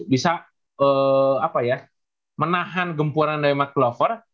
bisa menahan gempuran dari mike lover